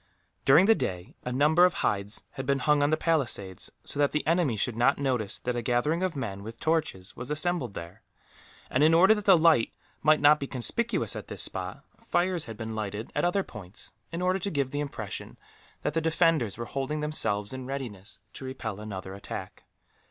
During the day, a number of hides had been hung on the palisades, so that the enemy should not notice that a gathering of men, with torches, was assembled there; and in order that the light might not be conspicuous at this spot, fires had been lighted at other points, in order to give the impression that the defenders were holding themselves in readiness to repel another attack.